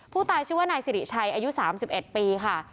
ผู้ตายชื่อว่านายสิริชัยอายุ๓๑ปีค่ะ